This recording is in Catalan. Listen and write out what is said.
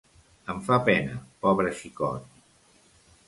Em fa pena, pobre xicot!